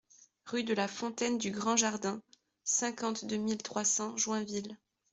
Rue de la Fontaine du Grand Jardin, cinquante-deux mille trois cents Joinville